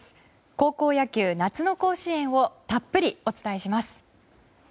高校野球、夏の甲子園をたっぷりお伝えします。